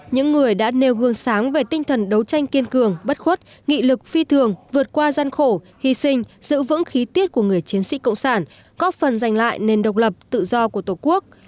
những người đã nêu gương sáng về tinh thần đấu tranh kiên cường bất khuất nghị lực phi thường vượt qua gian khổ hy sinh giữ vững khí tiết của người chiến sĩ cộng sản có phần giành lại nền độc lập tự do của tổ quốc